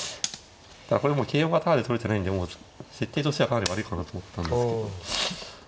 これも桂馬タダで取れてないんで設定としてはかなり悪いかなと思ったんですけど。